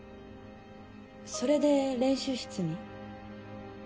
それで練習室に？